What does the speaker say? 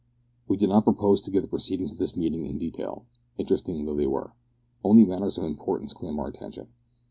We do not propose to give the proceedings of this meeting in detail, interesting though they were. Other matters of importance claim our attention.